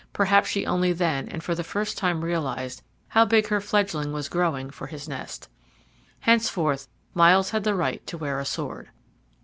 perhaps she only then and for the first time realized how big her fledgling was growing for his nest. Henceforth Myles had the right to wear a sword.